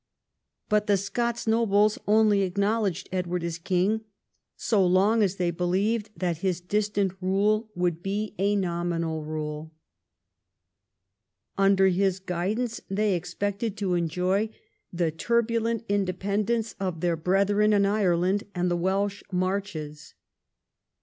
But the Scots nobles only acknowledged Edward as king so long as they believed that his distant rule would be a nominal rule. Under his guidance they exjiected to enjoy the turbulent indejiend encc of their brethren in Ireland and the Welsh Marches.